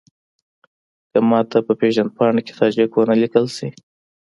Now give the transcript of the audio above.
که ماته په پېژندپاڼه کې تاجک ونه لیکل شي.